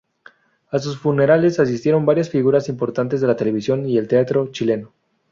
A sus funerales asistieron varias figuras importantes de la televisión y el teatro chileno.